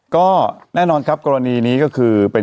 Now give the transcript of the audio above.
ก็แน่นอนครับกรณีนี้ก็คือเป็น